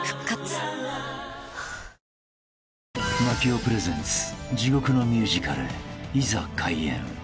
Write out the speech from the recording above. ［槙尾プレゼンツ地獄のミュージカルいざ開演］